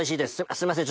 すいません！